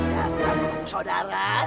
dasar bekuk saudara